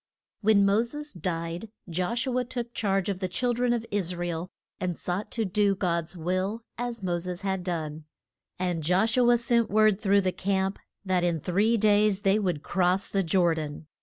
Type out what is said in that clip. WHEN Mo ses died, Josh u a took charge of the chil dren of Is ra el, and sought to do God's will, as Mo ses had done. And Josh u a sent word through the camp that in three days they would cross the Jor dan.